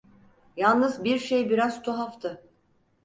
Yalnız bir şey biraz tuhaftı.